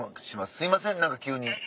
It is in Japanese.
すいません何か急に。